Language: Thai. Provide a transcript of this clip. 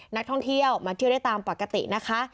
นักท่องเที่ยวมาเที่ยวได้ตามปกตินะคะ